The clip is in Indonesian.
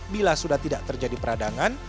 bila sudah tidak terjadi peradangan